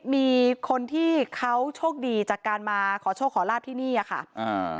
มีคนที่เขาโชคดีจากการมาขอโชคขอลาบที่นี่อ่ะค่ะอ่า